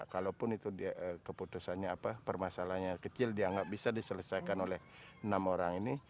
kalaupun itu keputusannya apa permasalahannya kecil dianggap bisa diselesaikan oleh enam orang ini